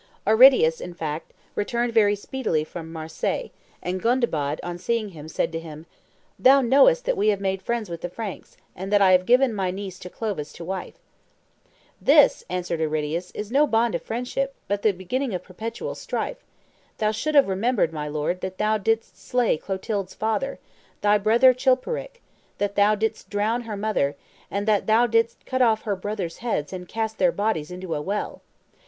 "Aridius, in fact, returned very speedily from Marseilles, and Gondebaud, on seeing him, said to him, 'Thou knowest that we have made friends with the Franks, and that I have given my niece to Clovis to wife.' 'This,' answered Aridius, 'is no bond of friendship, but the beginning of perpetual strife; thou shouldst have remembered, my lord, that thou didst slay Clotilde's father, thy brother Chilperic, that thou didst drown her mother, and that thou didst cut off her brothers' heads and cast their bodies into a well.